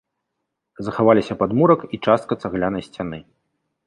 Захаваліся падмурак і частка цаглянай сцяны.